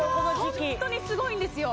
ホントにすごいんですよ